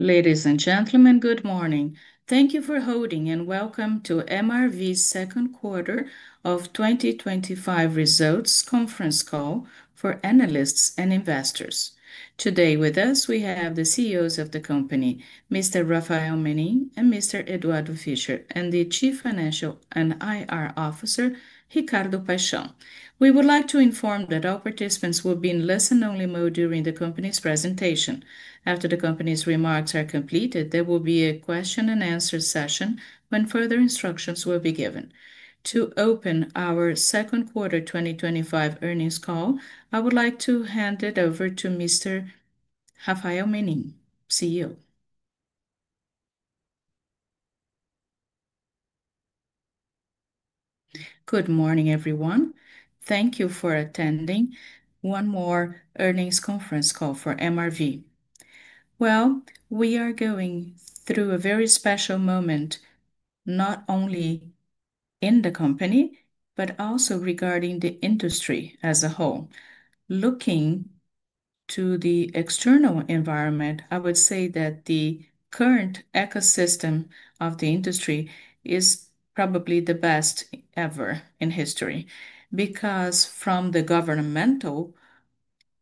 Ladies and gentlemen, good morning. Thank you for holding and welcome to MRV's Second Quarter of 2025 Results Conference Call for analysts and investors. Today with us, we have the CEOs of the company, Mr. Rafael Menin and Mr. Eduardo Fischer, and the Chief Financial and IR Officer, Ricardo Paixão. We would like to inform that all participants will be in listen-only mode during the company's presentation. After the company's remarks are completed, there will be a question and answer session when further instructions will be given. To open our second quarter 2025 earnings call, I would like to hand it over to Mr. Rafael Menin, CEO. Good morning everyone. Thank you for attending one more earnings conference call for MRV. We are going through a very special moment, not only in the company, but also regarding the industry as a whole. Looking to the external environment, I would say that the current ecosystem of the industry is probably the best ever in history, because from the governmental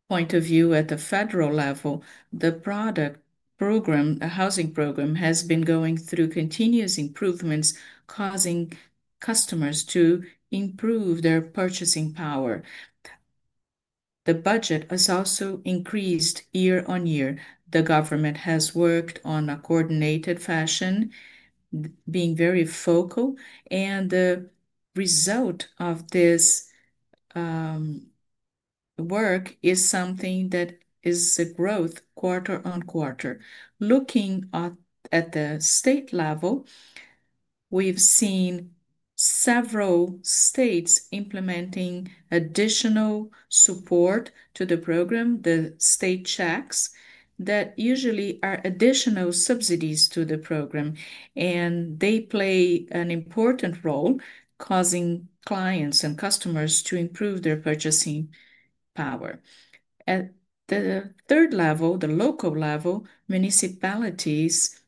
point of view at the federal level, the product program, the housing program, has been going through continuous improvements, causing customers to improve their purchasing power. The budget has also increased year-on-year. The government has worked in a coordinated fashion, being very focal, and the result of this work is something that is a growth quarter on quarter. Looking at the state level, we've seen several states implementing additional support to the program, the state checks, that usually are additional subsidies to the program, and they play an important role, causing clients and customers to improve their purchasing power. At the third level, the local level, municipalities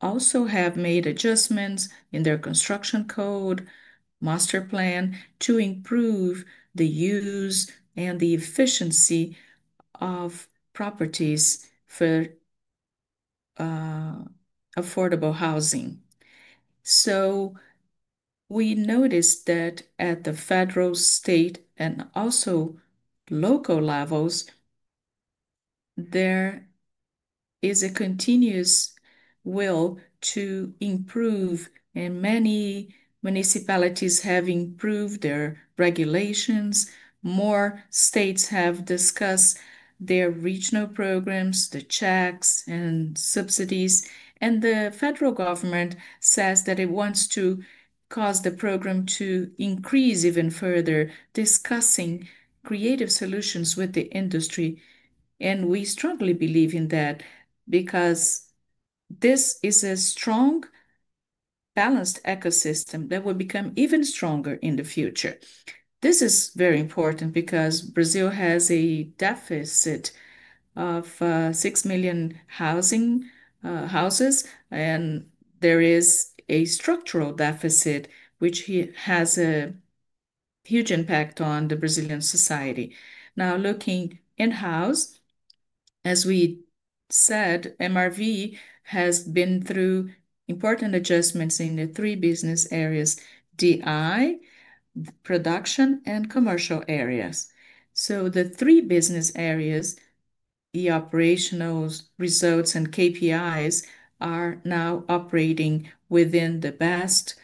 also have made adjustments in their construction code, master plan, to improve the use and the efficiency of properties for affordable housing. We noticed that at the federal, state, and also local levels, there is a continuous will to improve, and many municipalities have improved their regulations. More states have discussed their regional programs, the checks and subsidies, and the federal government says that it wants to cause the program to increase even further, discussing creative solutions with the industry. We strongly believe in that because this is a strong, balanced ecosystem that will become even stronger in the future. This is very important because Brazil has a deficit of 6 million houses, and there is a structural deficit which has a huge impact on the Brazilian society. Now looking in-house, as we said, MRV has been through important adjustments in the three business areas: DI, production, and commercial areas. The three business areas, the operational results, and KPIs are now operating within the best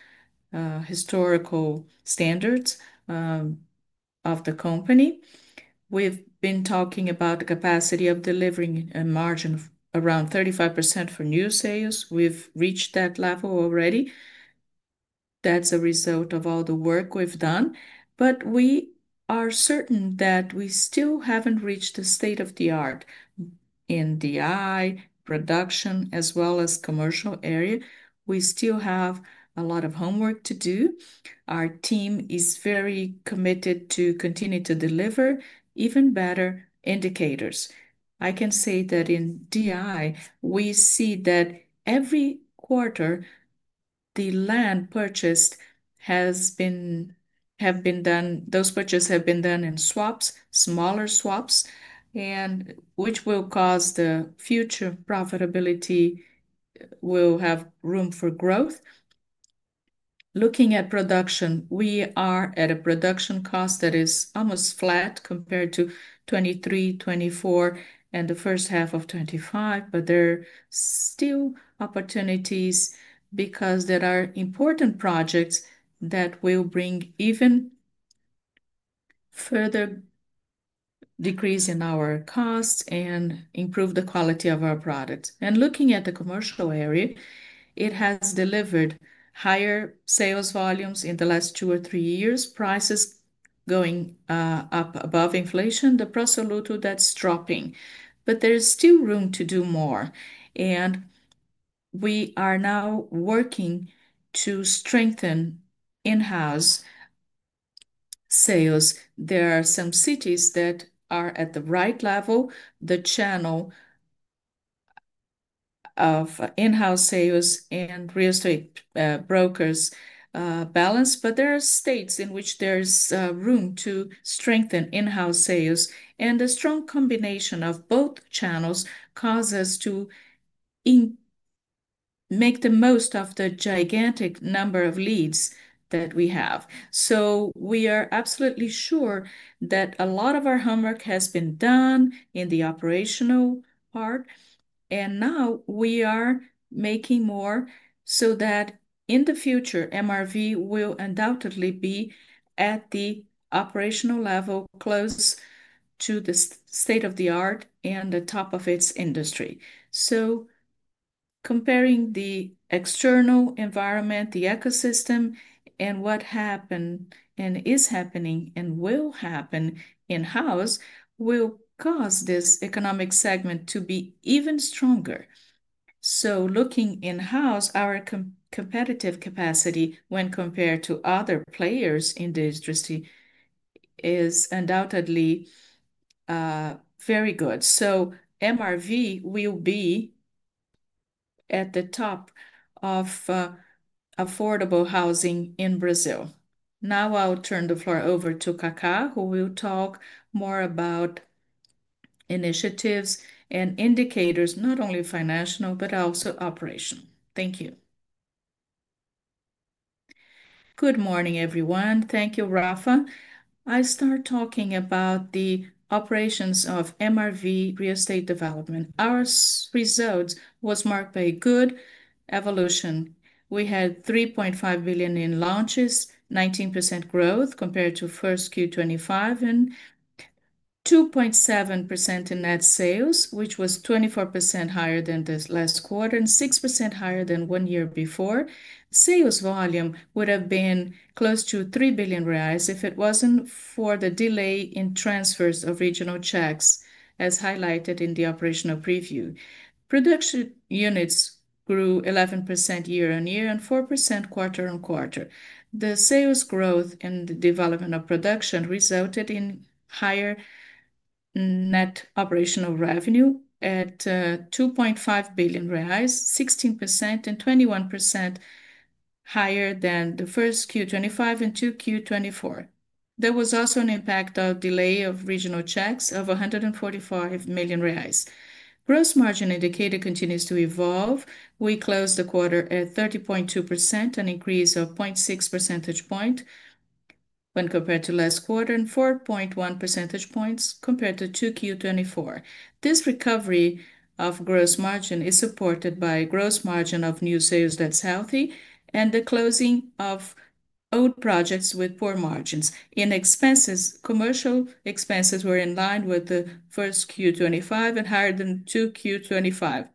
historical standards of the company. We've been talking about the capacity of delivering a margin of around 35% for new sales. We've reached that level already. That's a result of all the work we've done. We are certain that we still haven't reached the state-of-the-art in DI, production, as well as the commercial area. We still have a lot of homework to do. Our team is very committed to continue to deliver even better indicators. I can say that in DI, we see that every quarter, the land purchased has been done. Those purchases have been done in swaps, smaller swaps, which will cause the future profitability to have room for growth. Looking at production, we are at a production cost that is almost flat compared to 2023, 2024, and the first half of 2025. There are still opportunities because there are important projects that will bring even further decrease in our costs and improve the quality of our products. Looking at the commercial area, it has delivered higher sales volumes in the last two or three years, prices going up above inflation. The price of land is dropping, but there is still room to do more. We are now working to strengthen in-house sales. There are some cities that are at the right level, the channel of in-house sales and real estate brokers balance. There are states in which there is room to strengthen in-house sales. The strong combination of both channels causes us to make the most of the gigantic number of leads that we have. We are absolutely sure that a lot of our homework has been done in the operational part, and now we are making more so that in the future, MRV will undoubtedly be at the operational level, close to the state-of-the-art and the top of its industry. Comparing the external environment, the ecosystem, and what happened and is happening and will happen in-house will cause this economic segment to be even stronger. Looking in-house, our competitive capacity when compared to other players in the industry is undoubtedly very good. MRV will be at the top of affordable housing in Brazil. Now I'll turn the floor over to Kaká, who will talk more about initiatives and indicators, not only financial but also operational. Thank you. Good morning, everyone. Thank you, Rafa. I started talking about the operations of MRV real estate development. Our results were marked by a good evolution. We had R$3.5 billion in launches, 19% growth compared to first quarter 2025, and R$2.7 billion in net sales, which was 24% higher than the last quarter and 6% higher than one year before. Sales volume would have been close to R$3 billion if it wasn't for the delay in transfers of regional checks, as highlighted in the operational preview. Production units grew 11% year-on-year and 4% quarter-on-quarter. The sales growth and the development of production resulted in higher net operational revenue at R$2.5 billion, 16% and 21% higher than the first quarter 2025 and second quarter 2024. There was also an impact of the delay of regional checks of R$145 million. Gross margin indicator continues to evolve. We closed the quarter at 30.2%, an increase of 0.6 percentage point when compared to last quarter, and 4.1 percentage points compared to second quarter 2024. This recovery of gross margin is supported by a gross margin of new sales that's healthy and the closing of old projects with poor margins. In expenses, commercial expenses were in line with the first quarter 2025 and higher than 2Q 2025,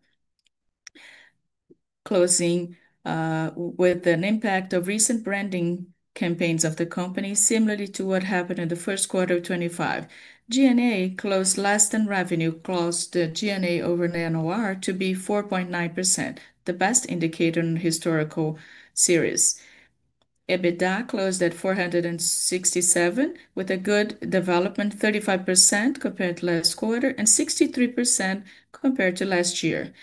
closing with an impact of recent branding campaigns of the company, similarly to what happened in the first quarter of 2025. G&A closed last in revenue, closed the G&A over NOR to be 4.9%, the best indicator in the historical series. EBITDA closed at R$467 million with a good development, 35% compared to last quarter and 63% compared to last year,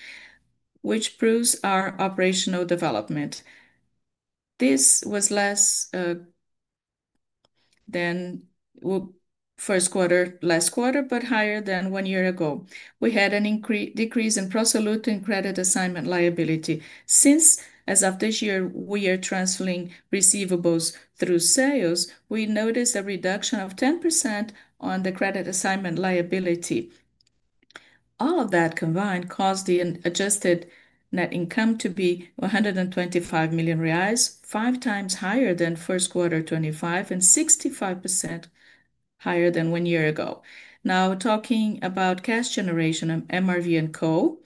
which proves our operational development. This was less than first quarter last quarter, but higher than one year ago. We had a decrease in pro soluto and credit assignment liability. Since as of this year, we are transferring receivables through sales. We noticed a reduction of 10% on the credit assignment liability. All of that combined caused the adjusted net income to be R$125 million, five times higher than first quarter 2025 and 65% higher than one year ago. Now talking about cash generation of MRV and Co.,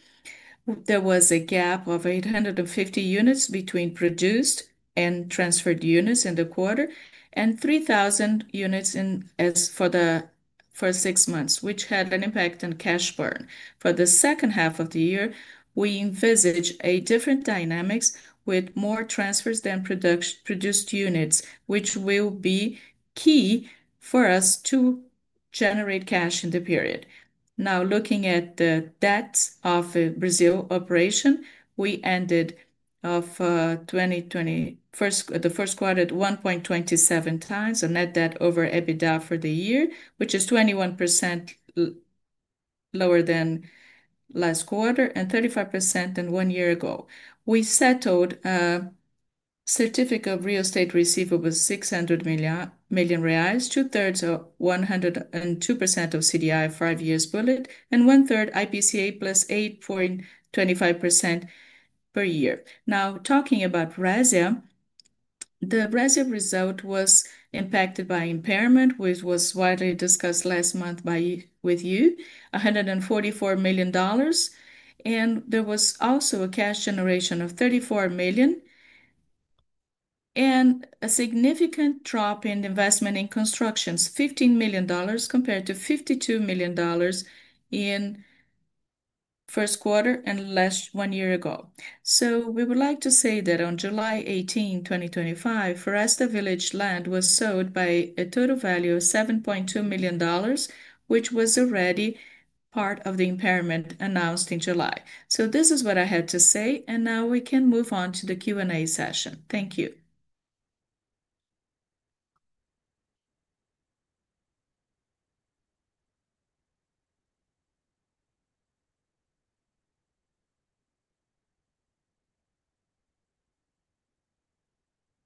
there was a gap of 850 units between produced and transferred units in the quarter and 3,000 units for the first six months, which had an impact on cash burn. For the second half of the year, we envisage a different dynamic with more transfers than produced units, which will be key for us to generate cash in the period. Now looking at the debt of the Brazil operation, we ended the first quarter at 1.27x net debt over EBITDA for the year, which is 21% lower than last quarter and 35% lower than one year ago. We settled certificate of real estate receivables, R$600 million, 2/3 at 102% of CDI, five years bullet, and 1/3 IPCA plus 8.25% per year. Now talking about Resia, the Resia result was impacted by impairment, which was widely discussed last month with you, $144 million. There was also a cash generation of $34 million and a significant drop in investment in constructions, $15 million compared to $52 million in the first quarter and less than one year ago. We would like to say that on July 18, 2025, Forresta Village land was sold by a total value of $7.2 million, which was already part of the impairment announced in July. This is what I had to say, and now we can move on to the Q&A session. Thank you.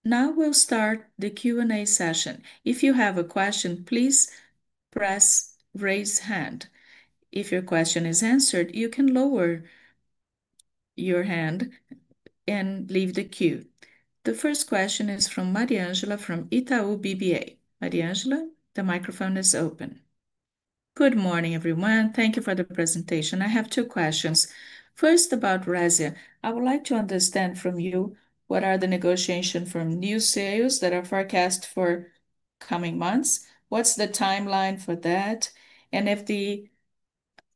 Now we'll start the Q&A session. If you have a question, please press raise hand. If your question is answered, you can lower your hand and leave the queue. The first question is from Mariangela from Itaú BBA. Mariangela, the microphone is open. Good morning, everyone. Thank you for the presentation. I have two questions. First, about Resia, I would like to understand from you what are the negotiations for new sales that are forecast for the coming months? What's the timeline for that? If the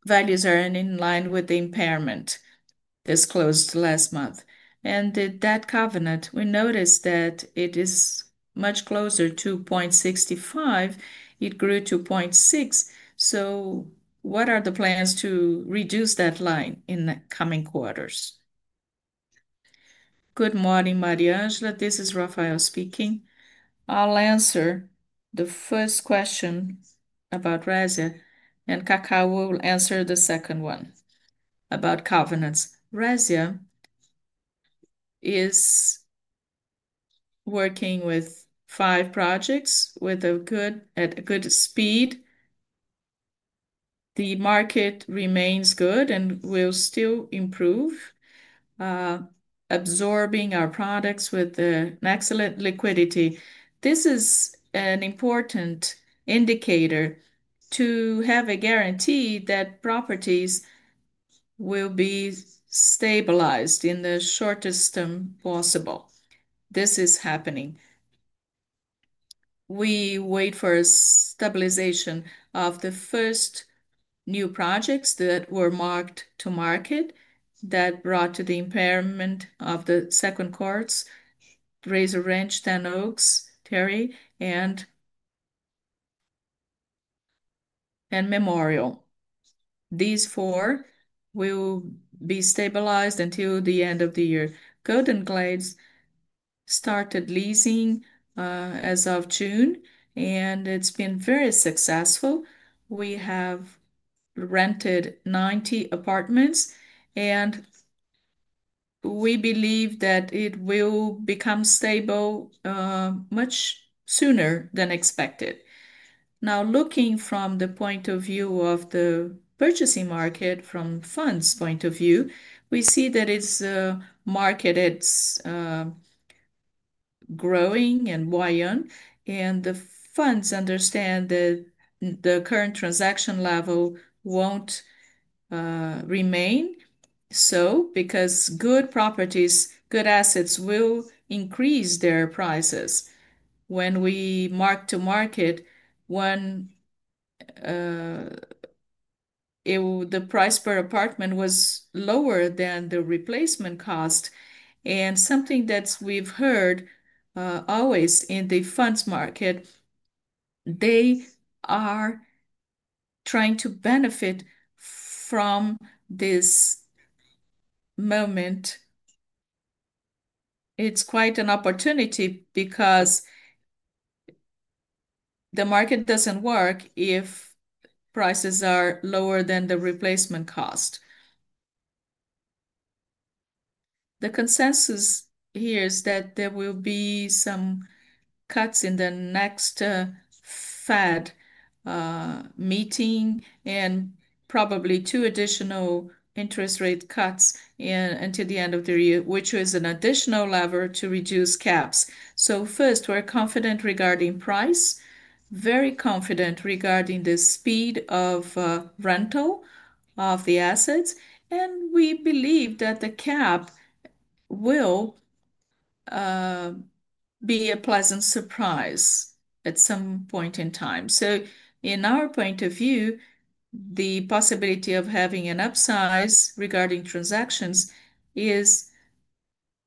values are in line with the impairment that was closed last month? The debt covenant, we noticed that it is much closer to 2.65%. It grew to 2.6%. What are the plans to reduce that line in the coming quarters? Good morning, Maria.This is Rafael speaking. I'll answer the first question about Resia, and Kaká will answer the second one about covenants. Resia is working with five projects at a good speed. The market remains good and will still improve, absorbing our products with an excellent liquidity. This is an important indicator to have a guarantee that properties will be stabilized in the shortest term possible. This is happening. We wait for a stabilization of the first new projects that were marked to market that brought to the impairment of the second quarter: Razor Ranch, Dan Oaks, Terry, and Memorial. These four will be stabilized until the end of the year. Golden Glades started leasing as of June, and it's been very successful. We have rented 90 apartments, and we believe that it will become stable much sooner than expected. Now, looking from the point of view of the purchasing market, from funds' point of view, we see that it's a market that's growing and way on, and the funds understand that the current transaction level won't remain so because good properties, good assets will increase their prices. When we marked to market, the price per apartment was lower than the replacement cost. Something that we've heard always in the funds market, they are trying to benefit from this moment. It's quite an opportunity because the market doesn't work if prices are lower than the replacement cost. The consensus here is that there will be some cuts in the next Fed meeting and probably two additional interest rate cuts until the end of the year, which is an additional lever to reduce caps. First, we're confident regarding price, very confident regarding the speed of rental of the assets, and we believe that the cap will be a pleasant surprise at some point in time. In our point of view, the possibility of having an upsize regarding transactions is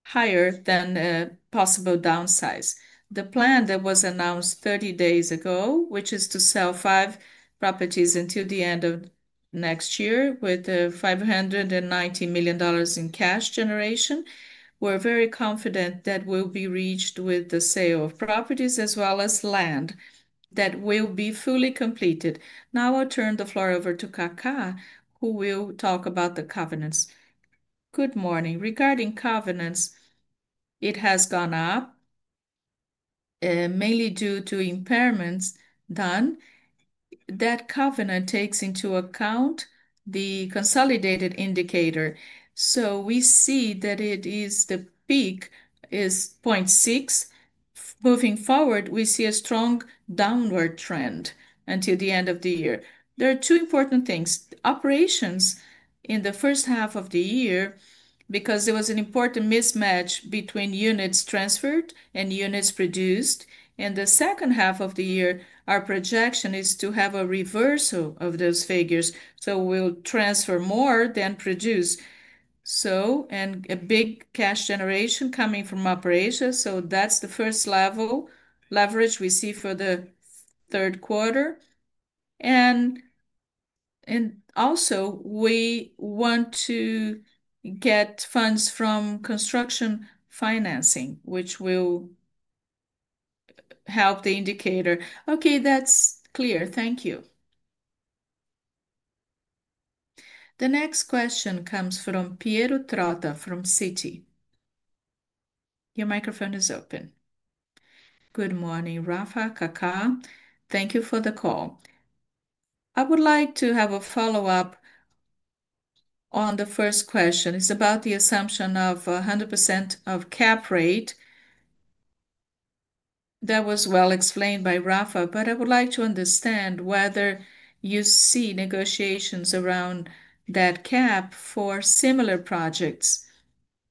higher than a possible downsize. The plan that was announced 30 days ago, which is to sell five properties until the end of next year with $590 million in cash generation, we're very confident that will be reached with the sale of properties as well as land that will be fully completed. Now I'll turn the floor over to Kaká, who will talk about the covenants. Good morning. Regarding covenants, it has gone up mainly due to impairments done. That covenant takes into account the consolidated indicator. We see that the peak is 0.6. Moving forward, we see a strong downward trend until the end of the year. There are two important things. Operations in the first half of the year, because there was an important mismatch between units transferred and units produced. In the second half of the year, our projection is to have a reversal of those figures. We'll transfer more than produce, and a big cash generation coming from operations. That's the first level leverage we see for the third quarter. Also, we want to get funds from construction financing, which will help the indicator. Okay, that's clear. Thank you. The next question comes from Piero Trotta from Citi. Your microphone is open. Good morning, Rafa, Kaká. Thank you for the call. I would like to have a follow-up on the first question. It's about the assumption of 100% of cap rate. That was well explained by Rafa, but I would like to understand whether you see negotiations around that cap for similar projects.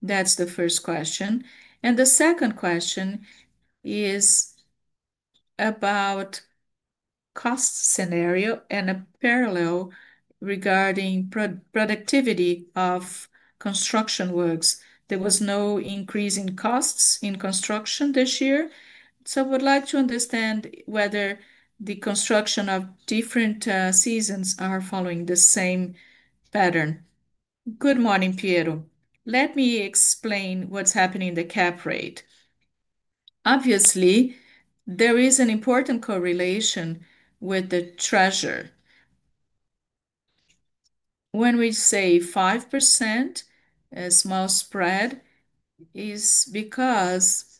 That's the first question. The second question is about the cost scenario and a parallel regarding the productivity of construction works. There were no increasing costs in construction this year. I would like to understand whether the construction of different seasons is following the same pattern. Good morning, Piero. Let me explain what's happening in the cap rate. Obviously, there is an important correlation with the treasury. When we say 5%, a small spread is because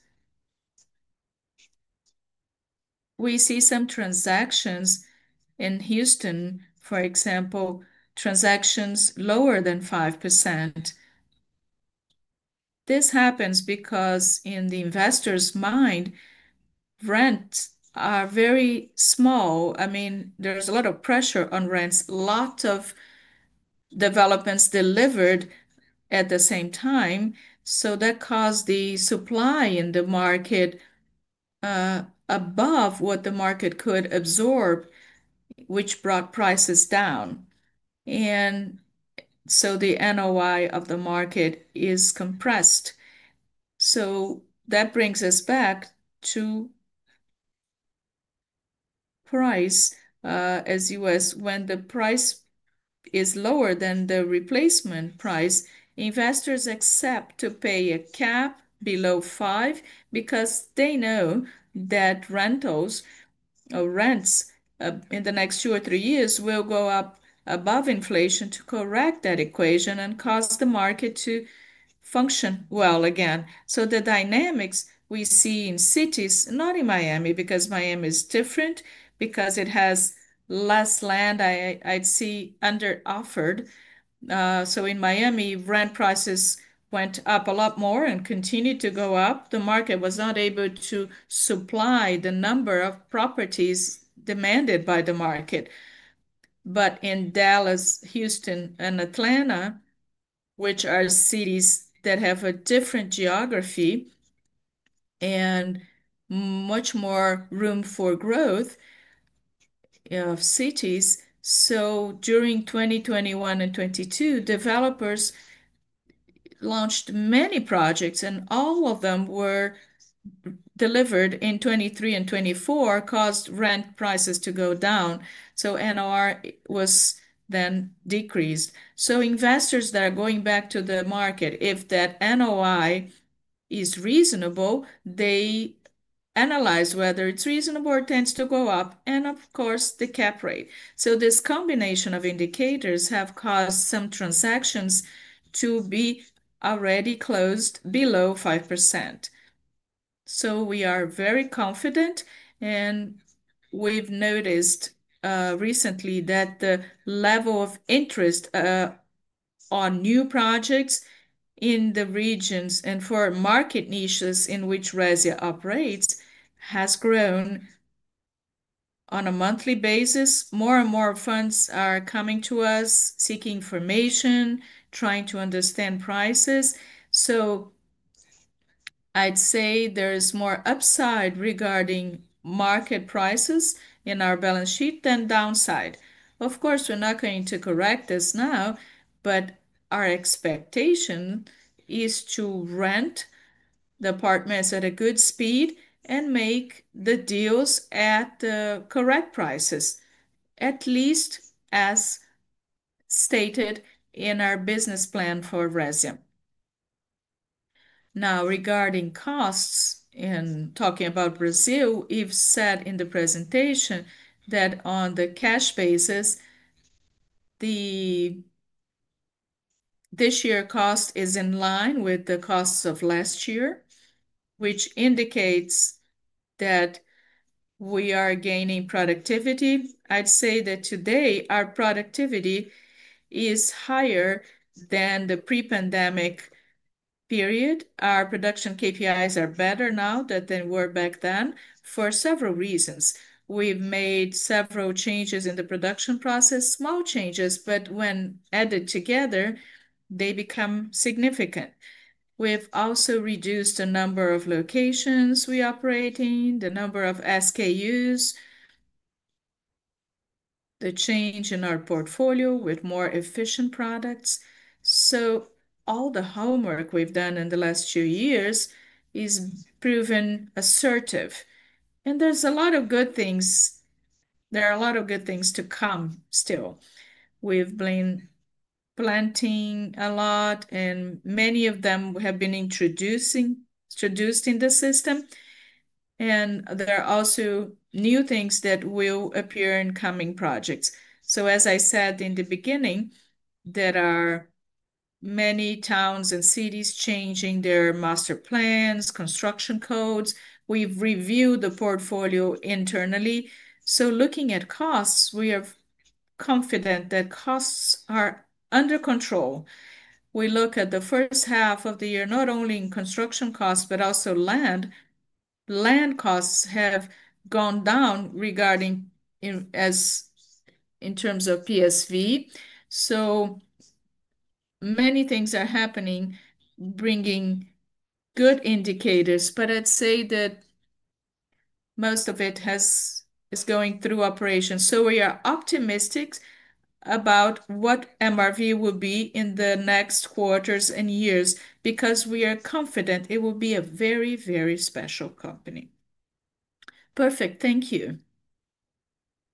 we see some transactions in Houston, for example, transactions lower than 5%. This happens because in the investor's mind, rents are very small. I mean, there's a lot of pressure on rents, lots of developments delivered at the same time. That caused the supply in the market above what the market could absorb, which brought prices down. The NOI of the market is compressed. That brings us back to price as you asked. When the price is lower than the replacement price, investors accept to pay a cap below 5% because they know that rentals or rents in the next two or three years will go up above inflation to correct that equation and cause the market to function well again. The dynamics we see in cities, not in Miami, because Miami is different because it has less land, I see under-offered. In Miami, rent prices went up a lot more and continued to go up. The market was not able to supply the number of properties demanded by the market. In Dallas, Houston, and Atlanta, which are cities that have a different geography and much more room for growth of cities, during 2021 and 2022, developers launched many projects, and all of them were delivered in 2023 and 2024, caused rent prices to go down. NOI was then decreased. Investors that are going back to the market, if that NOI is reasonable, they analyze whether it's reasonable or tends to go up, and of course, the cap rate. This combination of indicators has caused some transactions to be already closed below 5%. We are very confident, and we've noticed recently that the level of interest on new projects in the regions and for market niches in which Resia operates has grown on a monthly basis. More and more funds are coming to us seeking information, trying to understand prices. I'd say there's more upside regarding market prices in our balance sheet than downside. Of course, we're not going to correct this now, but our expectation is to rent the apartments at a good speed and make the deals at the correct prices, at least as stated in our business plan for Resia. Now, regarding costs and talking about Brazil, we've said in the presentation that on the cash basis, this year's cost is in line with the costs of last year, which indicates that we are gaining productivity. I'd say that today our productivity is higher than the pre-pandemic period. Our production KPIs are better now than they were back then for several reasons. We've made several changes in the production process, small changes, but when added together, they become significant. We've also reduced the number of locations we operate in, the number of SKUs, the change in our portfolio with more efficient products. All the homework we've done in the last few years has proven assertive. There are a lot of good things to come still. We've been planting a lot, and many of them have been introduced in the system. There are also new things that will appear in coming projects. As I said in the beginning, there are many towns and cities changing their master plans, construction codes. We've reviewed the portfolio internally. Looking at costs, we are confident that costs are under control. We look at the first half of the year, not only in construction costs, but also land. Land costs have gone down in terms of PSV. Many things are happening, bringing good indicators, but I'd say that most of it is going through operations. We are optimistic about what MRV will be in the next quarters and years because we are confident it will be a very, very special company. Perfect. Thank you.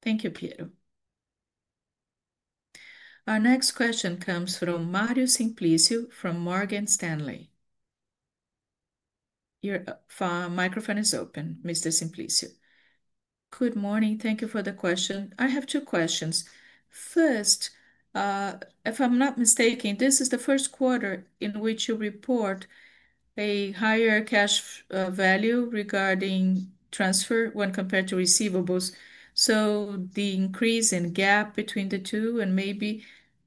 Thank you, Piero. Our next question comes from Mario Simplicio from Morgan Stanley. Your microphone is open, Mr. Simplicio. Good morning. Thank you for the question. I have two questions. First, if I'm not mistaken, this is the first quarter in which you report a higher cash value regarding transfer when compared to receivables. The increase in gap between the two and maybe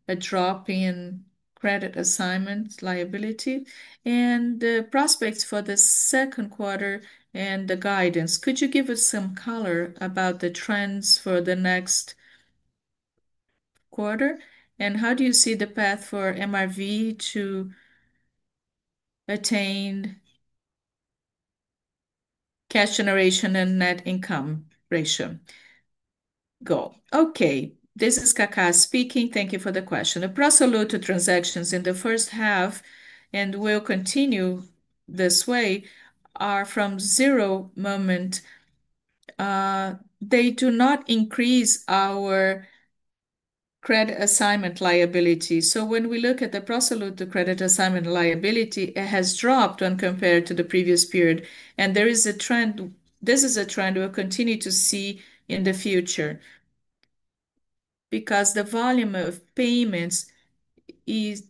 a drop in credit assignment liability and the prospects for the second quarter and the guidance. Could you give us some color about the trends for the next quarter? How do you see the path for MRV to attain cash generation and net income ratio goal? Okay. This is Kaká speaking. Thank you for the question. The pro soluto transactions in the first half, and we'll continue this way, are from zero moment. They do not increase our credit assignment liability. When we look at the pro soluto credit assignment liability, it has dropped when compared to the previous period. There is a trend. This is a trend we'll continue to see in the future because the volume of payments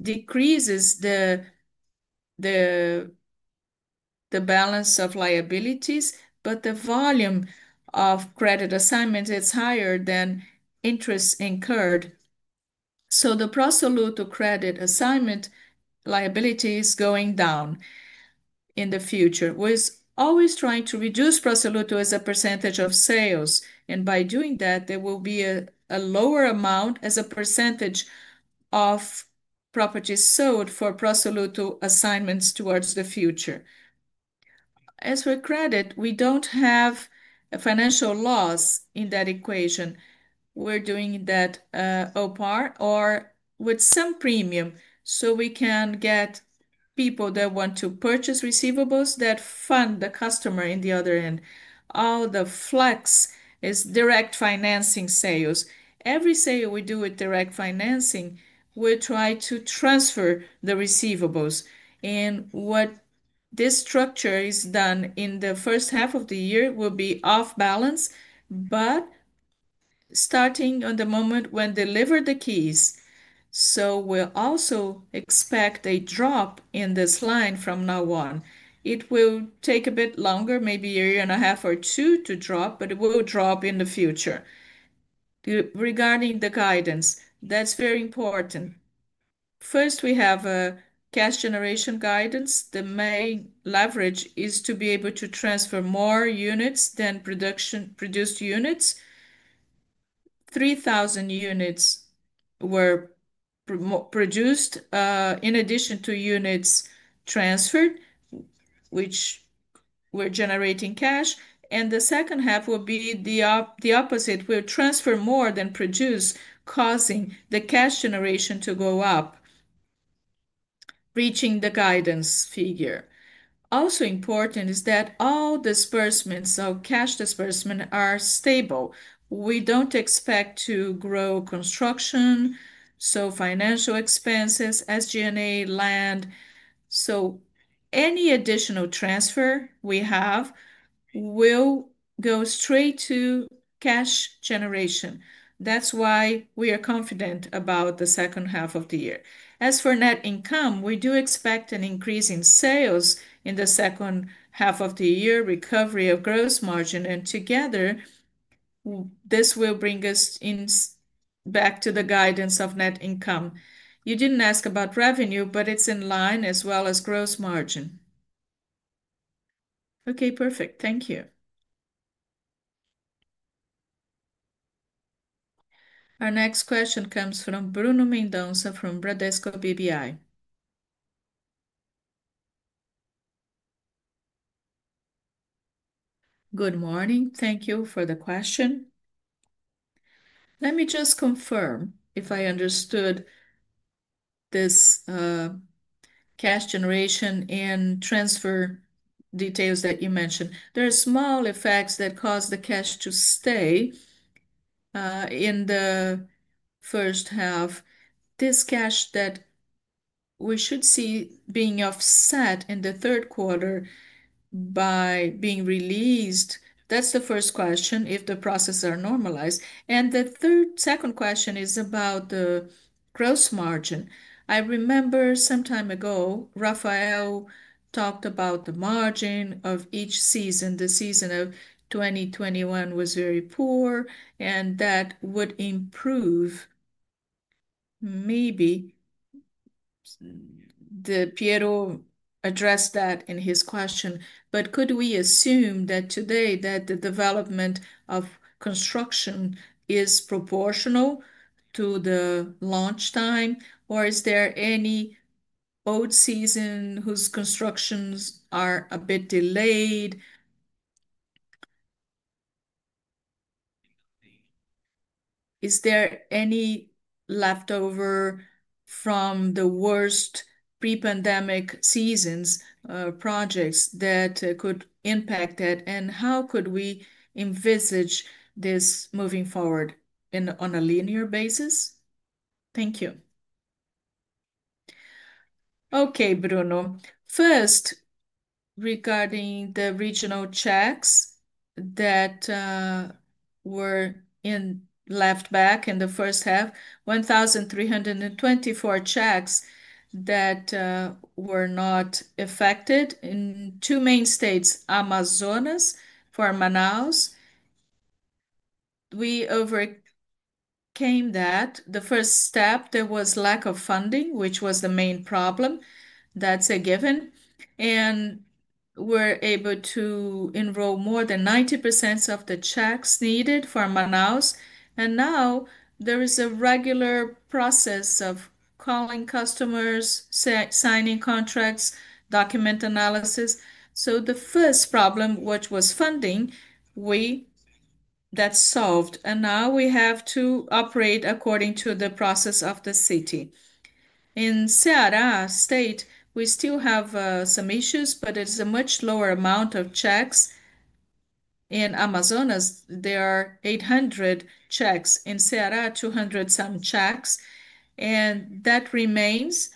decreases the balance of liabilities, but the volume of credit assignment is higher than interest incurred. The pro soluto credit assignment liability is going down in the future. We're always trying to reduce pro soluto as a percentage of sales. By doing that, there will be a lower amount as a percentage of properties sold for pro soluto assignments towards the future. As for credit, we don't have a financial loss in that equation. We're doing that OPAR or with some premium so we can get people that want to purchase receivables that fund the customer in the other end. All the flex is direct financing sales. Every sale we do with direct financing, we try to transfer the receivables. What this structure has done in the first half of the year will be off balance, but starting on the moment when delivered the keys. We also expect a drop in this line from now on. It will take a bit longer, maybe a year and a half or two to drop, but it will drop in the future. Regarding the guidance, that's very important. First, we have a cash generation guidance. The main leverage is to be able to transfer more units than produced units. 3,000 units were produced in addition to units transferred, which were generating cash. The second half will be the opposite. We'll transfer more than produce, causing the cash generation to go up, reaching the guidance figure. Also important is that all disbursements, so cash disbursement, are stable. We don't expect to grow construction, so financial expenses, SG&A, land. Any additional transfer we have will go straight to cash generation. That's why we are confident about the second half of the year. As for net income, we do expect an increase in sales in the second half of the year, recovery of gross margin, and together, this will bring us back to the guidance of net income. You didn't ask about revenue, but it's in line as well as gross margin. Okay, perfect. Thank you. Our next question comes from Bruno Mendonça from Bradesco BBI. Good morning. Thank you for the question. Let me just confirm if I understood this cash generation and transfer details that you mentioned. There are small effects that cause the cash to stay in the first half. This cash that we should see being offset in the third quarter by being released, that's the first question, if the processes are normalized. The second question is about the gross margin. I remember some time ago, Rafael talked about the margin of each season. The season of 2021 was very poor, and that would improve maybe. Piero addressed that in his question. Could we assume that today the development of construction is proportional to the launch time, or is there any old season whose constructions are a bit delayed? Is there any leftover from the worst pre-pandemic seasons or projects that could impact that? How could we envisage this moving forward on a linear basis? Thank you. Okay, Bruno. First, regarding the regional checks that were left back in the first half, 1,324 checks that were not affected in two main states, Amazonas for Manaus. We overcame that. The first step, there was lack of funding, which was the main problem. That's a given. We're able to enroll more than 90% of the checks needed for Manaus. Now there is a regular process of calling customers, signing contracts, document analysis. The first problem, which was funding, that's solved. Now we have to operate according to the process of the city. In Ceará State, we still have some issues, but it's a much lower amount of checks. In Amazonas, there are 800 checks. In Ceará, 200-some checks. That remains.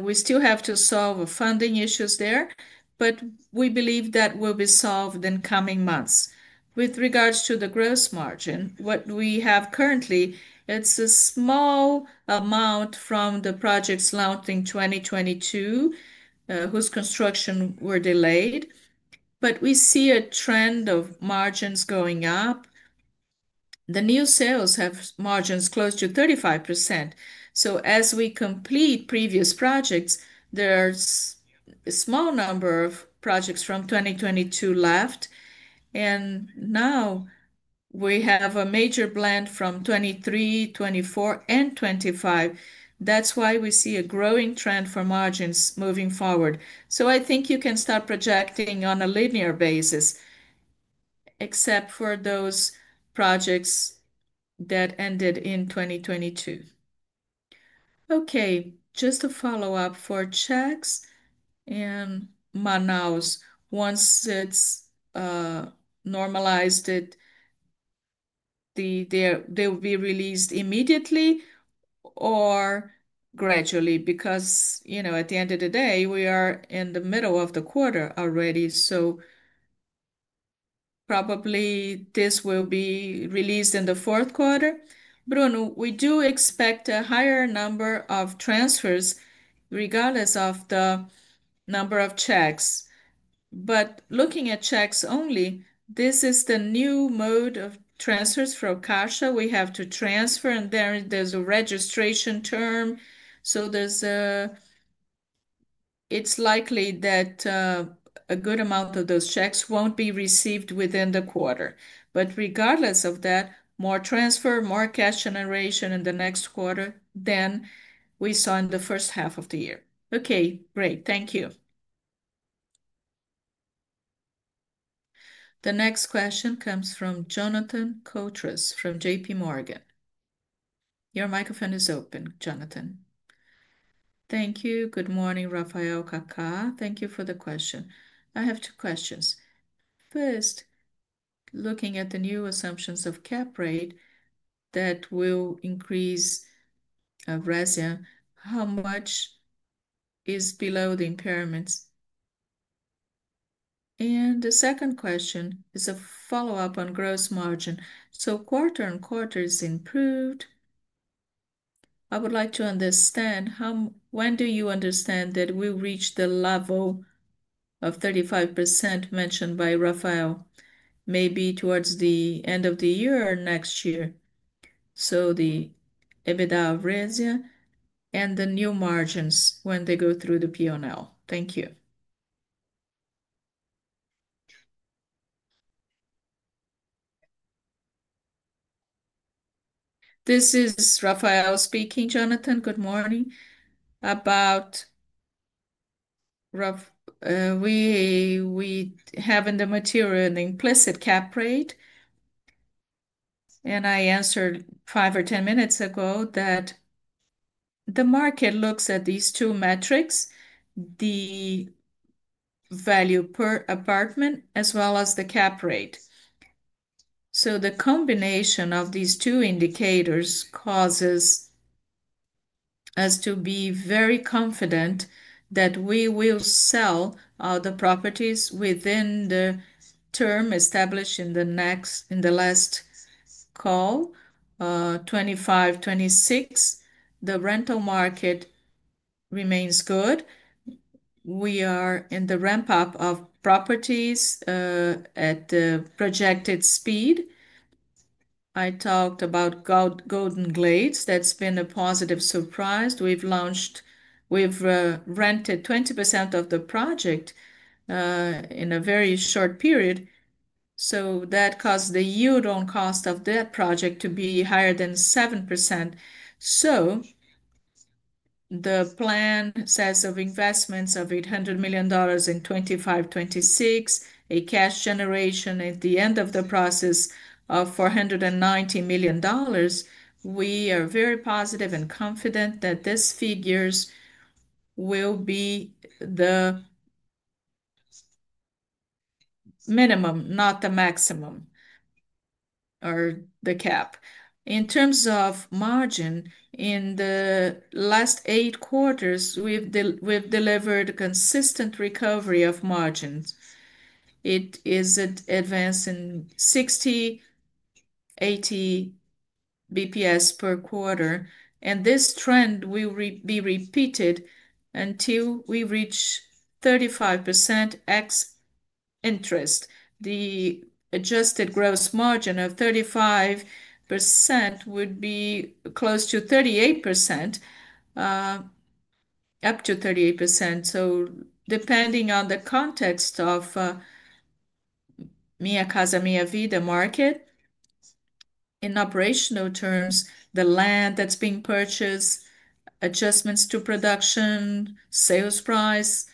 We still have to solve funding issues there, but we believe that will be solved in coming months. With regards to the gross margin, what we have currently, it's a small amount from the projects launched in 2022, whose construction were delayed. We see a trend of margins going up. The new sales have margins close to 35%. As we complete previous projects, there's a small number of projects from 2022 left. Now we have a major blend from 2023, 2024, and 2025. That's why we see a growing trend for margins moving forward. I think you can start projecting on a linear basis, except for those projects that ended in 2022. Okay, just a follow-up for checks in Manaus. Once it's normalized, they will be released immediately or gradually because, you know, at the end of the day, we are in the middle of the quarter already. Probably this will be released in the fourth quarter? Bruno, we do expect a higher number of transfers regardless of the number of checks. Looking at checks only, this is the new mode of transfers for Caixa. We have to transfer, and there's a registration term. It's likely that a good amount of those checks won't be received within the quarter. Regardless of that, more transfer, more cash generation in the next quarter than we saw in the first half of the year. Okay, great. Thank you. The next question comes from Jonathan Koutras from JP Morgan. Your microphone is open, Jonathan. Thank you. Good morning, Rafael, Kaká. Thank you for the question. I have two questions. First, looking at the new assumptions of cap rate that will increase Resia, how much is below the impairments? The second question is a follow-up on gross margin. Quarter-on-quarter is improved. I would like to understand when do you understand that we'll reach the level of 35% mentioned by Rafael? Maybe towards the end of the year or next year. The EBITDA of Resia and the new margins when they go through the P&L. Thank you. This is Rafael speaking. Jonathan, good morning. We have in the material an implicit cap rate. I answered five or ten minutes ago that the market looks at these two metrics, the value per apartment as well as the cap rate. The combination of these two indicators causes us to be very confident that we will sell all the properties within the term established in the last call, 2025, 2026. The rental market remains good. We are in the ramp-up of properties at the projected speed. I talked about Golden Glades. That's been a positive surprise. We've rented 20% of the project in a very short period. That caused the yield on cost of that project to be higher than 7%. The plan says of investments of $800 million in 2025, 2026, a cash generation at the end of the process of $490 million. We are very positive and confident that these figures will be the minimum, not the maximum, or the cap. In terms of margin, in the last eight quarters, we've delivered a consistent recovery of margins. It is advancing 60, 80 basis points per quarter. This trend will be repeated until we reach 35% ex interest. The adjusted gross margin of 35% would be close to 38%, up to 38%. Depending on the context of Minha Casa, Minha Vida market, in operational terms, the land that's being purchased, adjustments to production, sales price,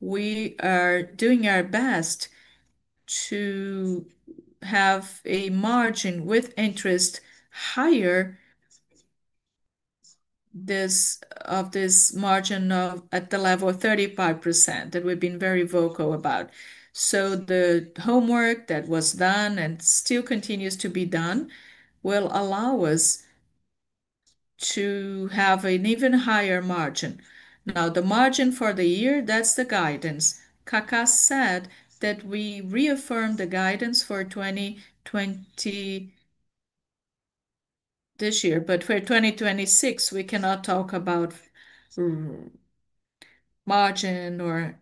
we are doing our best to have a margin with interest higher, this margin at the level of 35% that we've been very vocal about. The homework that was done and still continues to be done will allow us to have an even higher margin. The margin for the year, that's the guidance. Kaká said that we reaffirm the guidance for 2024 this year, but for 2026, we cannot talk about margin or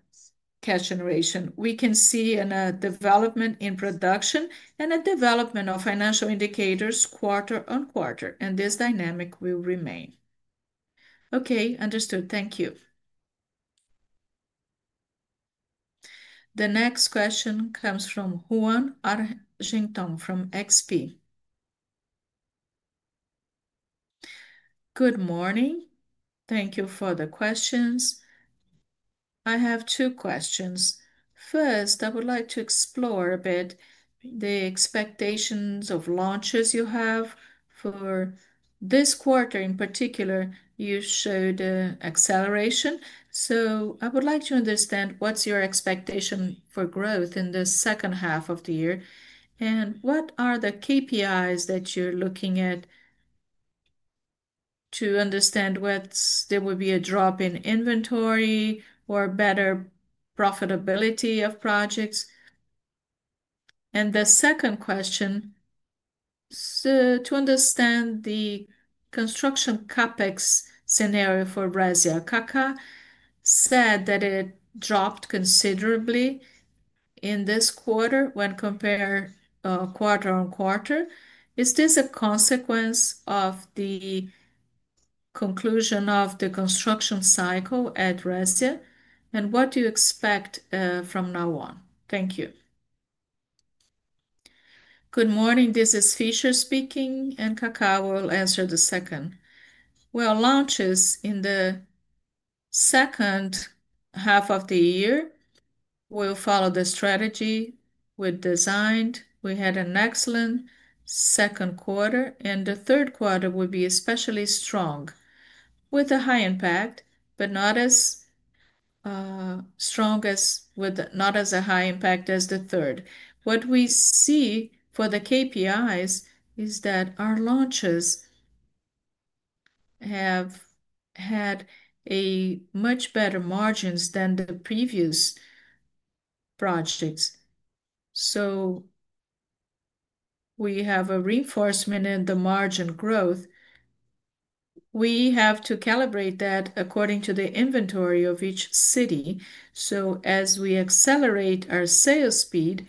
cash generation. We can see a development in production and a development of financial indicators quarter on quarter. This dynamic will remain. Okay, understood. Thank you. The next question comes from Ruan Argenton from XP. Good morning. Thank you for the questions. I have two questions. First, I would like to explore a bit the expectations of launches you have for this quarter. In particular, you showed acceleration. I would like to understand what's your expectation for growth in the second half of the year, and what are the KPIs that you're looking at to understand whether there will be a drop in inventory or better profitability of projects. The second question is to understand the construction CapEx scenario for Resia. Kaká said that it dropped considerably in this quarter when compared quarter on quarter. Is this a consequence of the conclusion of the construction cycle at Resia, and what do you expect from now on? Thank you. Good morning. This is Fischer speaking, and Kaká will answer the second. Launches in the second half of the year will follow the strategy we designed. We had an excellent second quarter, and the third quarter will be especially strong with a high impact, but not as a high impact as the third. What we see for the KPIs is that our launches have had much better margins than the previous projects. We have a reinforcement in the margin growth. We have to calibrate that according to the inventory of each city. As we accelerate our sales speed,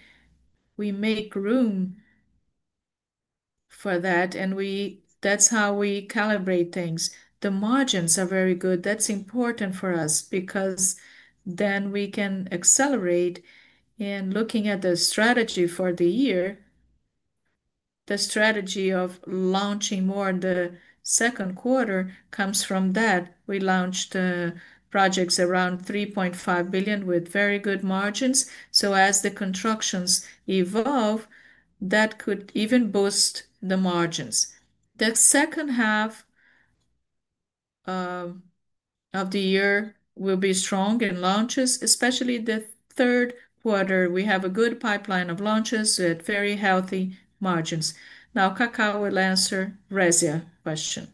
we make room for that, and that's how we calibrate things. The margins are very good. That's important for us because then we can accelerate in looking at the strategy for the year. The strategy of launching more in the second quarter comes from that. We launched projects around R$3.5 billion with very good margins. As the constructions evolve, that could even boost the margins. The second half of the year will be strong in launches, especially the third quarter. We have a good pipeline of launches with very healthy margins. Now, Kaká will answer the Resia question.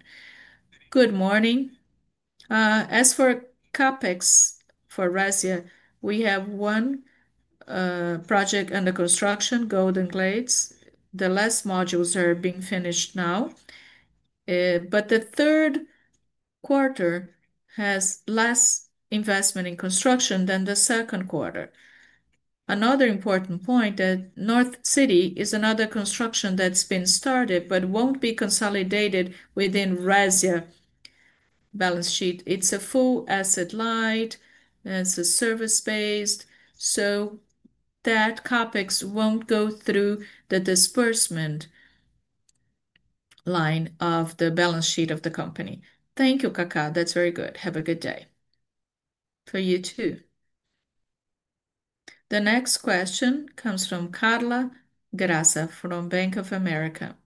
Good morning. As for CapEx for Resia, we have one project under construction, Golden Glades. The last modules are being finished now. The third quarter has less investment in construction than the second quarter. Another important point, North City is another construction that's been started but won't be consolidated within the Resia balance sheet. It's fully asset light, and it's service-based. That CapEx won't go through the disbursement line of the balance sheet of the company. Thank you, Kaká. That's very good. Have a good day. For you too. The next question comes from Carla Graça from Bank of America.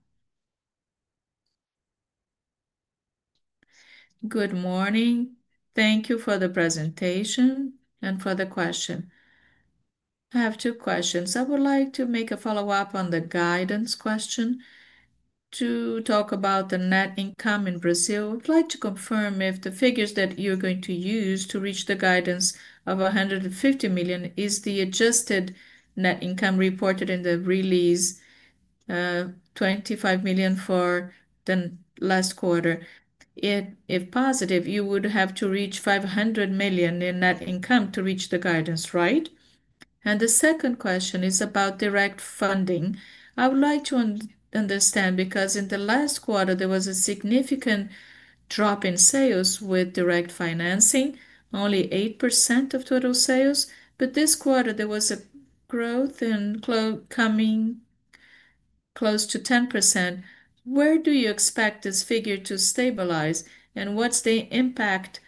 Good morning. Thank you for the presentation and for the question. I have two questions. I would like to make a follow-up on the guidance question to talk about the net income in Brazil. I'd like to confirm if the figures that you're going to use to reach the guidance of R$150 million is the adjusted net income reported in the release, R$25 million for the last quarter. If positive, you would have to reach R$500 million in net income to reach the guidance, right? The second question is about direct funding. I would like to understand because in the last quarter, there was a significant drop in sales with direct financing, only 8% of total sales. This quarter, there was a growth in coming close to 10%. Where do you expect this figure to stabilize? What's the impact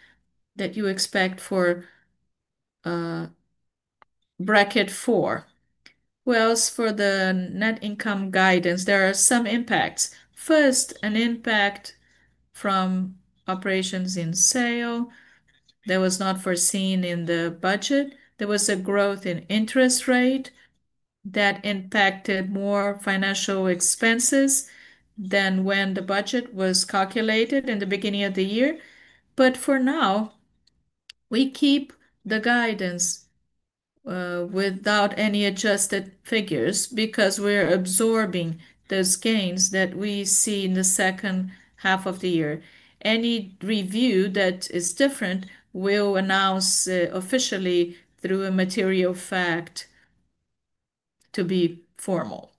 that you expect for bracket four? As for the net income guidance, there are some impacts. First, an impact from operations in sale that was not foreseen in the budget. There was a growth in interest rate that impacted more financial expenses than when the budget was calculated in the beginning of the year. For now, we keep the guidance without any adjusted figures because we're absorbing those gains that we see in the second half of the year. Any review that is different will announce officially through a material fact to be formal.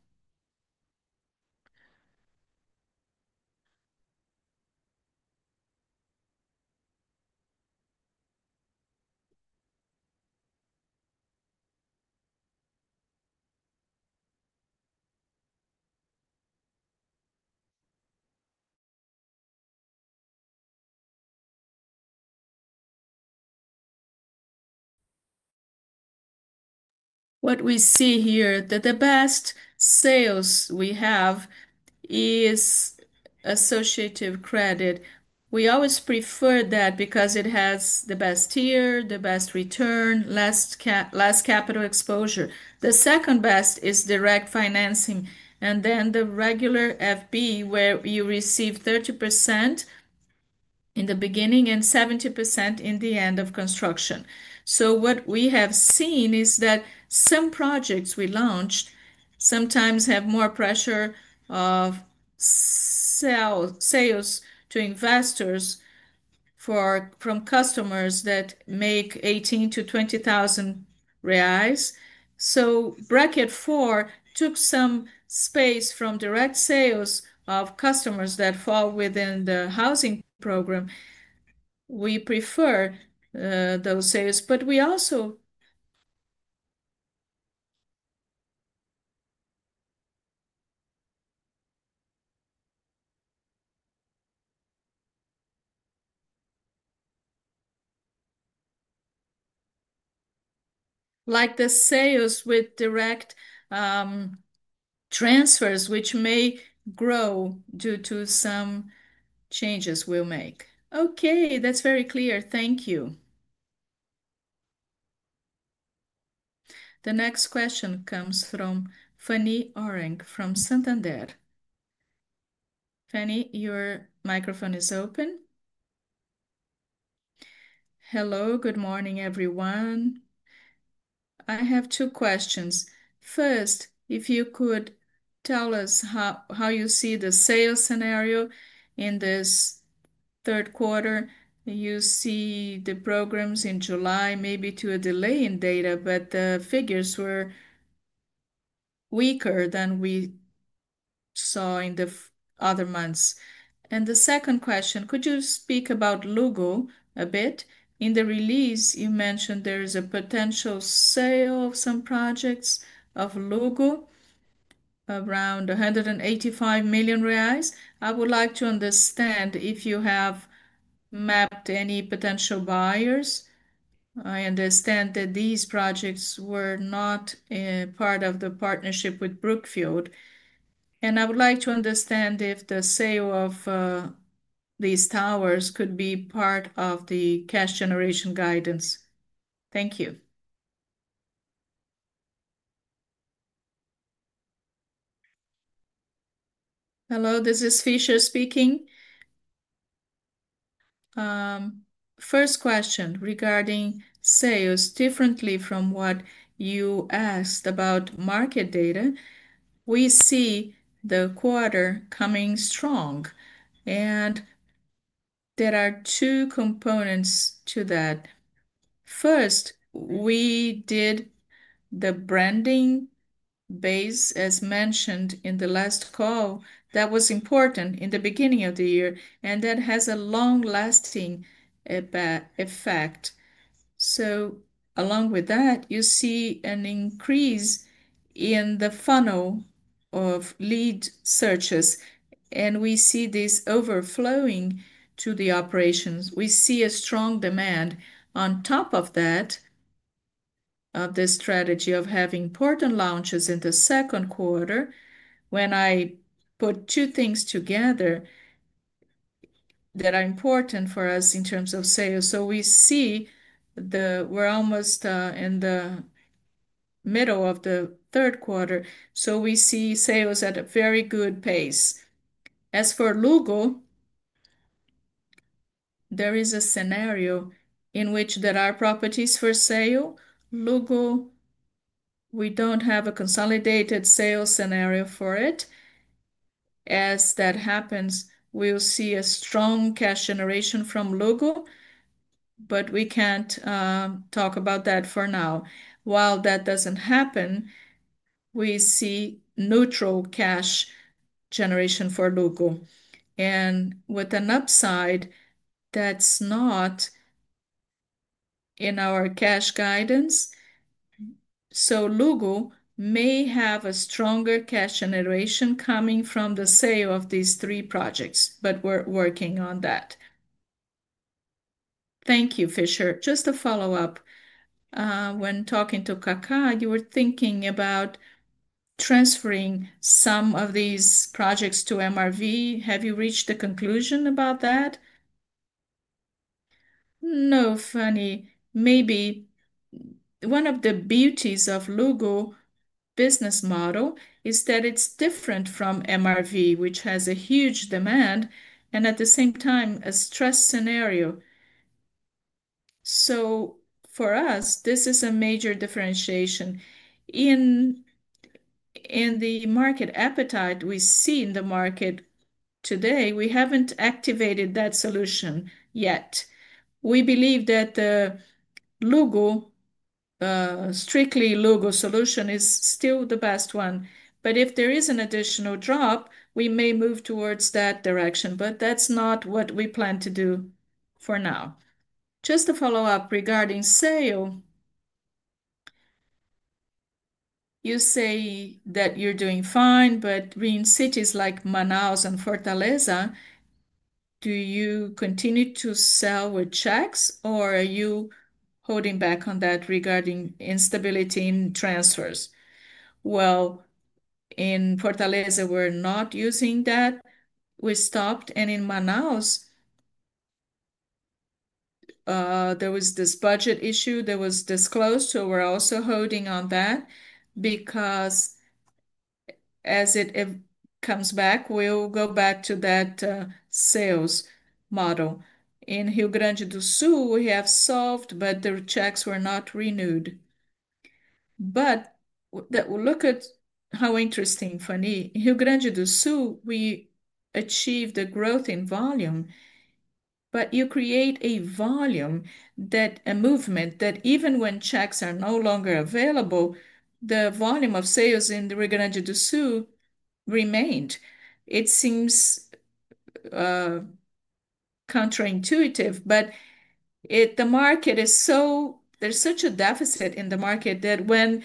What we see here is that the best sales we have is associative credit. We always prefer that because it has the best tier, the best return, less capital exposure. The second best is direct financing, and then the regular FB, where you receive 30% in the beginning and 70% in the end of construction. What we have seen is that some projects we launched sometimes have more pressure of sales to investors from customers that make R$18,000-R$20,000. Bracket four took some space from direct sales of customers that fall within the housing program. We prefer those sales, but we also like the sales with direct transfers, which may grow due to some changes we'll make. That's very clear. Thank you. The next question comes from Fanny Oreng from Santander. Fanny, your microphone is open. Hello. Good morning, everyone. I have two questions. First, if you could tell us how you see the sales scenario in this third quarter. You see the programs in July, maybe due to a delay in data, but the figures were weaker than we saw in the other months. The second question, could you speak about Luggo a bit? In the release, you mentioned there is a potential sale of some projects of Luggo around R$185 million. I would like to understand if you have mapped any potential buyers. I understand that these projects were not part of the partnership with Brookfield. I would like to understand if the sale of these towers could be part of the cash generation guidance. Thank you. Hello. This is Fischer speaking. First question regarding sales, differently from what you asked about market data. We see the quarter coming strong, and there are two components to that. First, we did the branding base, as mentioned in the last call, that was important in the beginning of the year, and that has a long-lasting effect. Along with that, you see an increase in the funnel of lead searches, and we see this overflowing to the operations. We see a strong demand on top of that, this strategy of having important launches in the second quarter. When I put two things together that are important for us in terms of sales, we see that we're almost in the middle of the third quarter. We see sales at a very good pace. As for Luggo, there is a scenario in which there are properties for sale. Luggo, we don't have a consolidated sales scenario for it. As that happens, we'll see a strong cash generation from Luggo, but we can't talk about that for now. While that doesn't happen, we see neutral cash generation for Luggo, with an upside that's not in our cash guidance. Luggo may have a stronger cash generation coming from the sale of these three projects, but we're working on that. Thank you, Fischer. Just a follow-up. When talking to Kaká, you were thinking about transferring some of these projects to MRV. Have you reached the conclusion about that? No, Fanny. Maybe one of the beauties of Luggo's business model is that it's different from MRV, which has a huge demand and at the same time, a stress scenario. For us, this is a major differentiation. In the market appetite we see in the market today, we haven't activated that solution yet. We believe that the Luggo, strictly Luggo solution, is still the best one. If there is an additional drop, we may move towards that direction. That's not what we plan to do for now. Just a follow-up regarding sale. You say that you're doing fine, but green cities like Manaus and Fortaleza, do you continue to sell with checks, or are you holding back on that regarding instability in transfers? In Fortaleza, we're not using that. We stopped. In Manaus, there was this budget issue that was disclosed, so we're also holding on that because as it comes back, we'll go back to that sales model. In Rio Grande do Sul, we have solved, but the checks were not renewed. Look at how interesting, Fanny. In Rio Grande do Sul, we achieved a growth in volume. You create a volume, a movement that even when checks are no longer available, the volume of sales in Rio Grande do Sul remained. It seems counterintuitive, but the market is so, there's such a deficit in the market that when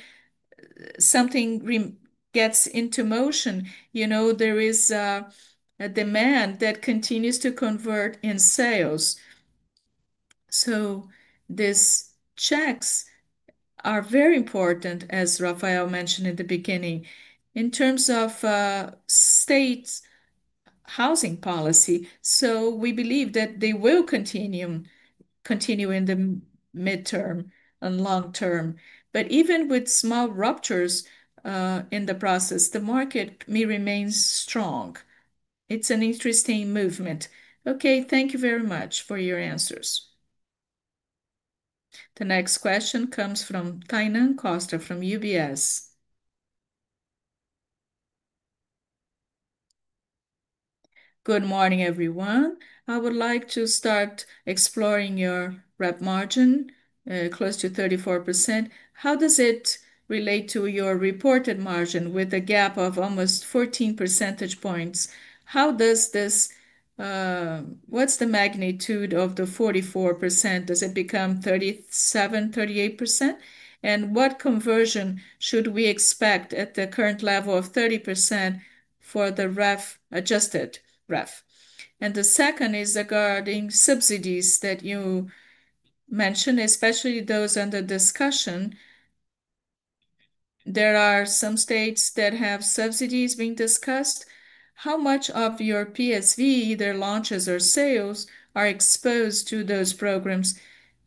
something gets into motion, you know there is a demand that continues to convert in sales. These checks are very important, as Rafael Menin mentioned in the beginning, in terms of state housing policy. We believe that they will continue in the midterm and long term. Even with small ruptures in the process, the market remains strong. It's an interesting movement. Thank you very much for your answers. The next question comes from Tainan Costa from UBS. Good morning, everyone. I would like to start exploring your REP margin, close to 34%. How does it relate to your reported margin with a gap of almost 14 percentage points? What's the magnitude of the 44%? Does it become 37%, 38%? What conversion should we expect at the current level of 30% for the REF, adjusted REF? The second is regarding subsidies that you mentioned, especially those under discussion. There are some states that have subsidies being discussed. How much of your PSV, either launches or sales, are exposed to those programs?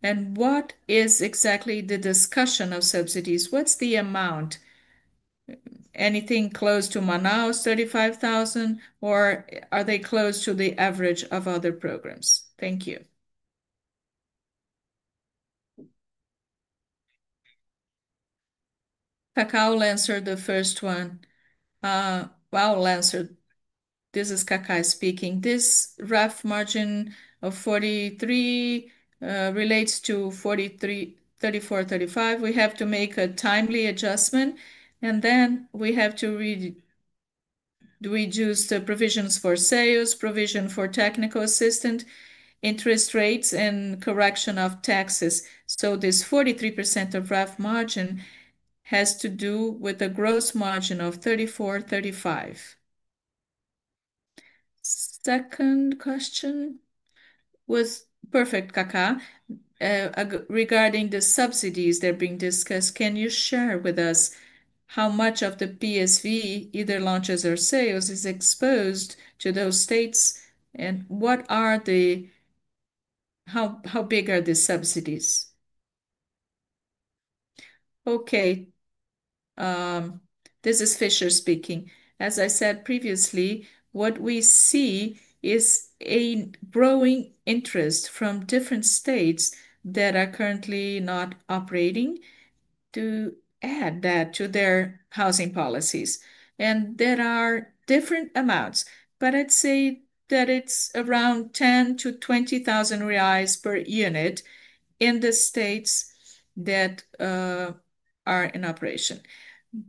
What is exactly the discussion of subsidies? What's the amount? Anything close to Manaus, $35,000, or are they close to the average of other programs? Thank you. Kaká will answer the first one. I'll answer. This is Kaká speaking. This REF margin of 43% relates to 34%, 35%. We have to make a timely adjustment, and then we have to reduce the provisions for sales, provision for technical assistance, interest rates, and correction of taxes. This 43% of REF margin has to do with a gross margin of 34%, 35%. Second question was perfect, Kaká, regarding the subsidies that are being discussed. Can you share with us how much of the PSV, either launches or sales, is exposed to those states? How big are the subsidies? This is Fischer speaking. As I said previously, what we see is a growing interest from different states that are currently not operating to add that to their housing policies. There are different amounts, but I'd say that it's around R$10,000-R$20,000 per unit in the states that are in operation.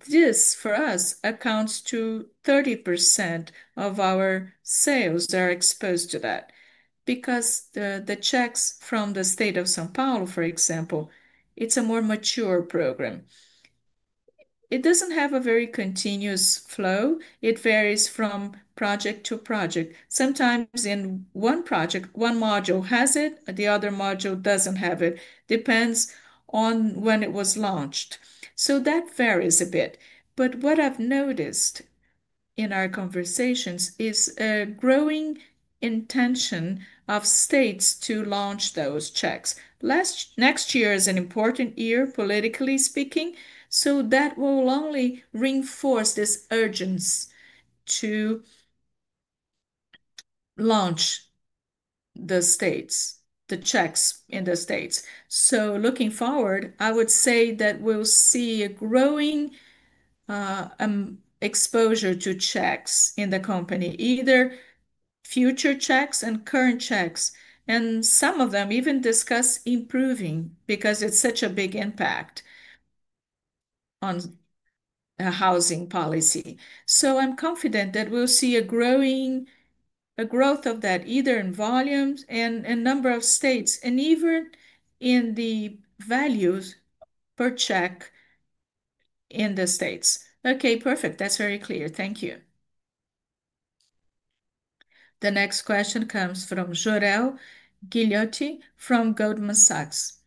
This, for us, accounts to 30% of our sales that are exposed to that because the checks from the state of São Paulo, for example, it's a more mature program. It doesn't have a very continuous flow. It varies from project to project. Sometimes in one project, one module has it, the other module doesn't have it. It depends on when it was launched. That varies a bit. What I've noticed in our conversations is a growing intention of states to launch those checks. Next year is an important year, politically speaking, that will only reinforce this urgence to launch the checks in the states. Looking forward, I would say that we'll see a growing exposure to checks in the company, either future checks and current checks. Some of them even discuss improving because it's such a big impact on a housing policy. I'm confident that we'll see a growth of that, either in volumes and a number of states, and even in the values per check in the states. Perfect. That's very clear. Thank you. The next question comes from Jorel Guilloty from Goldman Sachs.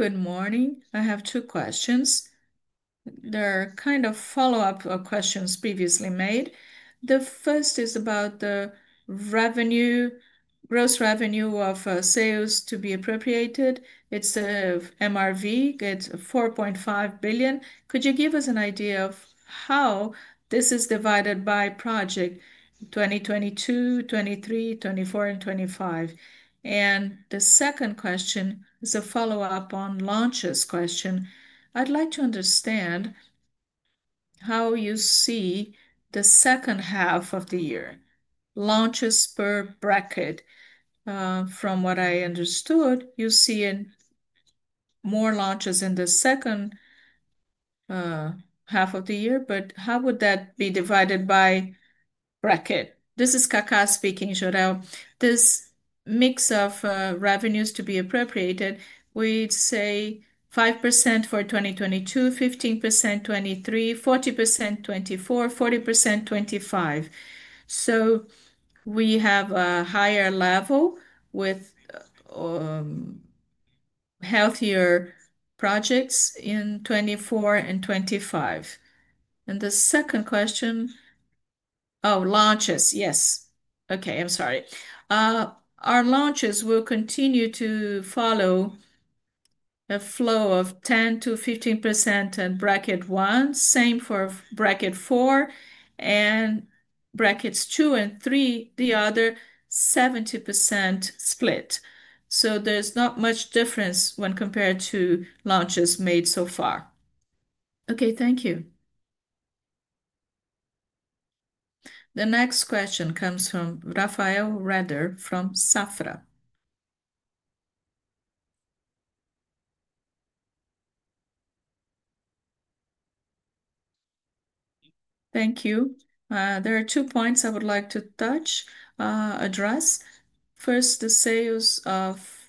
Good morning. I have two questions. They're kind of follow-up of questions previously made. The first is about the gross revenue of sales to be appropriated. It's in MRV. It's $4.5 billion. Could you give us an idea of how this is divided by project 2022, 2023, 2024, and 2025? The second question is a follow-up on launches question. I'd like to understand how you see the second half of the year, launches per bracket. From what I understood, you're seeing more launches in the second half of the year, but how would that be divided by bracket? This is Kaká speaking, Jorel. This mix of revenues to be appropriated, we'd say 5% for 2022, 15% 2023, 40% 2024, 40% 2025. We have a higher level with healthier projects in 2024 and 2025. The second question, oh, launches. Yes. I'm sorry. Our launches will continue to follow a flow of 10%-15% in bracket one, same for bracket four, and brackets two and three, the other 70% split. There's not much difference when compared to launches made so far. Thank you. The next question comes from Rafael Rehder from Safra. Thank you. There are two points I would like to touch, address. First, the sales of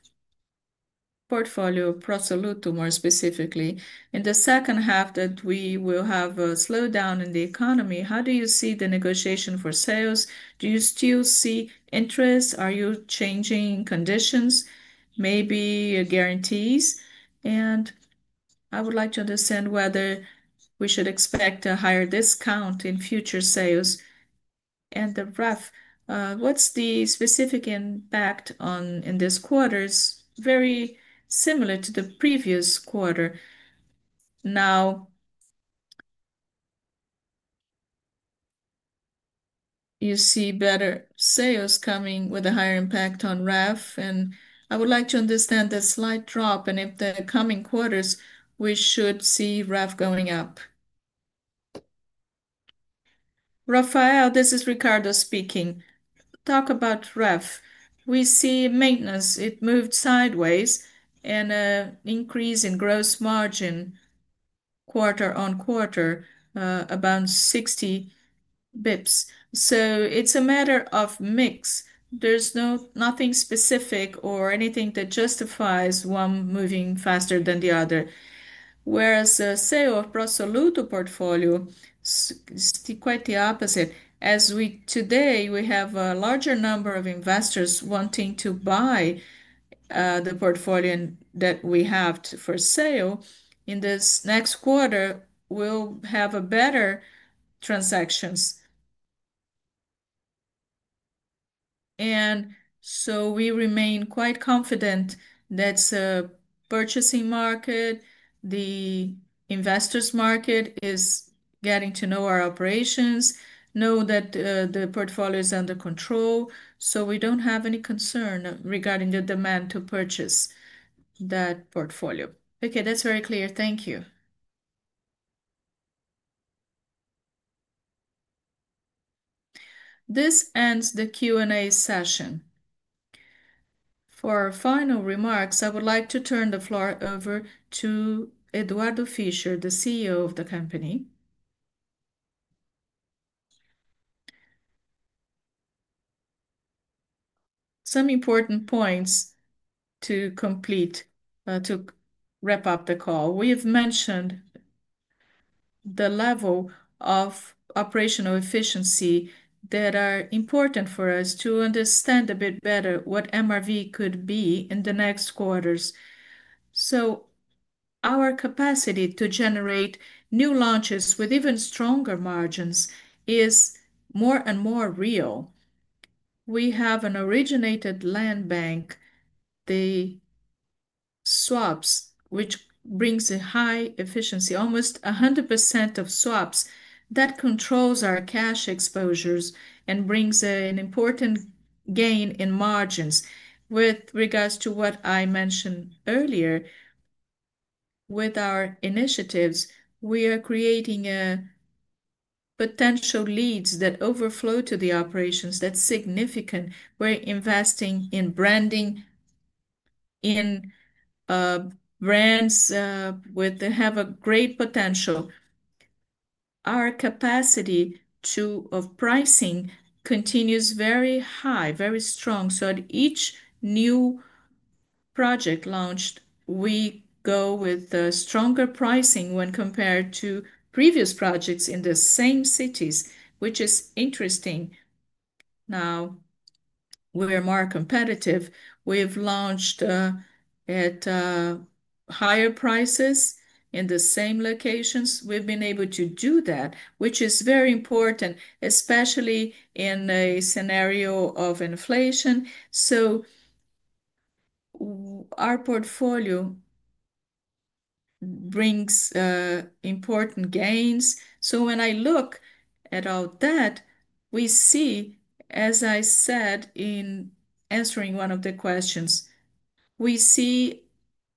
portfolio, pro soluto more specifically. In the second half, that we will have a slowdown in the economy, how do you see the negotiation for sales? Do you still see interest? Are you changing conditions, maybe guarantees? I would like to understand whether we should expect a higher discount in future sales and the REF. What's the specific impact on this quarter? It's very similar to the previous quarter. Now, you see better sales coming with a higher impact on REF, and I would like to understand the slight drop and if the coming quarters we should see REF going up. Rafael, this is Ricardo speaking. Talk about REF. We see maintenance. It moved sideways and an increase in gross margin quarter on quarter, about 60 basis points. It's a matter of mix. There's nothing specific or anything that justifies one moving faster than the other. Whereas the sale of pro soluto portfolio is quite the opposite. Today, we have a larger number of investors wanting to buy the portfolio that we have for sale. In this next quarter, we'll have better transactions. We remain quite confident that the purchasing market, the investors' market is getting to know our operations, know that the portfolio is under control. We don't have any concern regarding the demand to purchase that portfolio. That's very clear. Thank you. This ends the Q&A session. For our final remarks, I would like to turn the floor over to Eduardo Fischer, the CEO of the company. Some important points to complete to wrap up the call. We have mentioned the level of operational efficiency that are important for us to understand a bit better what MRV could be in the next quarters. Our capacity to generate new launches with even stronger margins is more and more real. We have an originated land bank, the swaps, which brings a high efficiency, almost 100% of swaps. That controls our cash exposures and brings an important gain in margins. With regards to what I mentioned earlier, with our initiatives, we are creating potential leads that overflow to the operations. That's significant. We're investing in branding, in brands that have a great potential. Our capacity of pricing continues very high, very strong. At each new project launched, we go with stronger pricing when compared to previous projects in the same cities, which is interesting. Now, we are more competitive. We've launched at higher prices in the same locations. We've been able to do that, which is very important, especially in a scenario of inflation. Our portfolio brings important gains. When I look at all that, we see, as I said in answering one of the questions, we see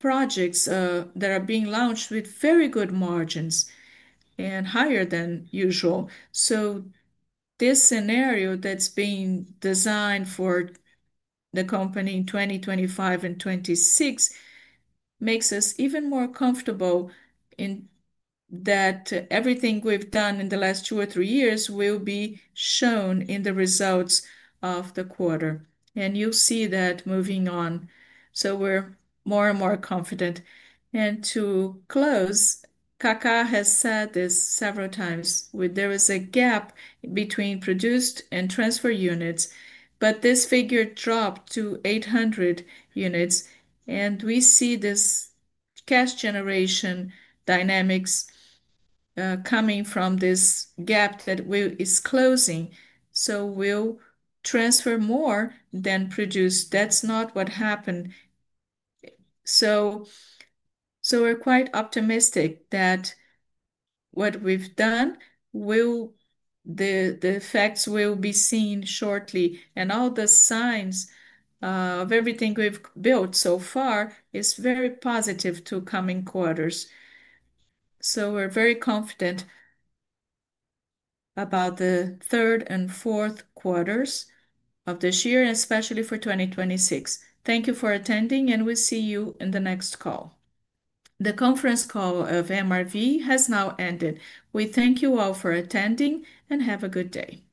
projects that are being launched with very good margins and higher than usual. This scenario that's being designed for the company in 2025 and 2026 makes us even more comfortable in that everything we've done in the last two or three years will be shown in the results of the quarter. You'll see that moving on. We're more and more confident. To close, Graça has said this several times, there is a gap between produced and transferred units, but this figure dropped to 800 units. We see this cash generation dynamics coming from this gap that is closing. We'll transfer more than produce. That's not what happened. We're quite optimistic that what we've done, the effects will be seen shortly. All the signs of everything we've built so far are very positive to coming quarters. We're very confident about the third and fourth quarters of this year, and especially for 2026. Thank you for attending, and we'll see you in the next call. The conference call of MRV has now ended. We thank you all for attending and have a good day.